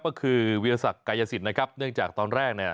ก็คือวิทยาศักดิ์กายสิทธิ์นะครับเนื่องจากตอนแรกเนี่ย